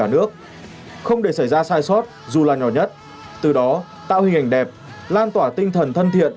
nước không để xảy ra sai sót dù là nhỏ nhất từ đó tạo hình ảnh đẹp lan tỏa tinh thần thân thiện